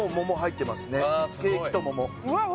ケーキと桃わあ